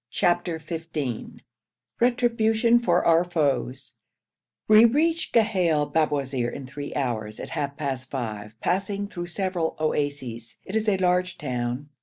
CHAPTER XV RETRIBUTION FOR OUR FOES We reached Ghail Babwazir in three hours, at half past five, passing through several oases. It is a large town.